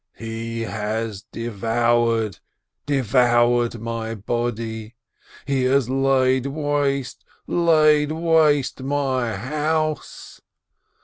'He has devoured, devoured my body, he has laid waste, laid waste my house